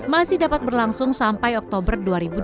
masih dapat berlangsung sampai oktober dua ribu dua puluh